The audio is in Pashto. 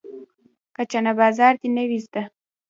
که چنه بازي دې نه وي زده.